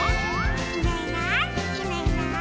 「いないいないいないいない」